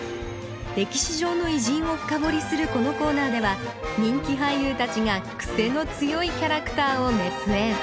歴史上の偉人を深掘りするこのコーナーでは人気俳優たちが癖の強いキャラクターを熱演